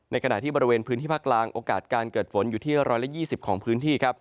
ขณะที่บริเวณพื้นที่ภาคกลางโอกาสการเกิดฝนอยู่ที่๑๒๐ของพื้นที่